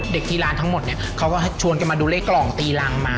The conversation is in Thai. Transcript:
ที่ร้านทั้งหมดเนี่ยเขาก็ชวนกันมาดูเลขกล่องตีรังมา